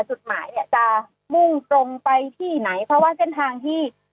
จุดหมายเนี่ยจะมุ่งตรงไปที่ไหนเพราะว่าเส้นทางที่